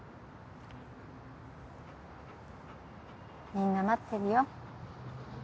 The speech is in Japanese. みんな待ってるよ。